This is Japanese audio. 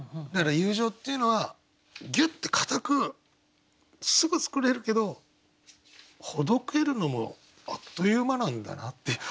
だから友情っていうのはギュッて固くすぐ作れるけどほどけるのもあっという間なんだなって。